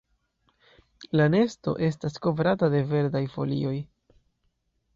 La nesto estas kovrata de verdaj folioj.